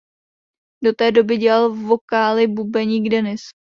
Do té doby dělal vokály bubeník Dennis.